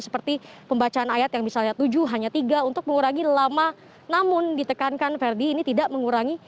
seperti pembacaan ayat yang misalnya tujuh hanya tiga untuk mengurangi lama namun ditekankan verdi ini tidak mengurangi